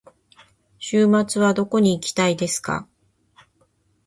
週末はどこに行きたいですか。